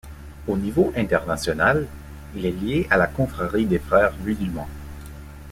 Au niveau international, il est lié à la confrérie des Frères musulmans.